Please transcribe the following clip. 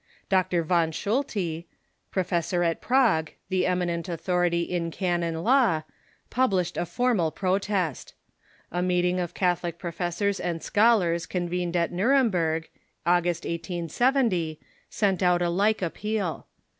Dr. Van Schulte, professor at Prague, the eminent authority in canon law, published a formal protest. A ProtGSts meeting of Catholic professors and scholars convened at Nuremberg (August, 1870) sent out a like appeal.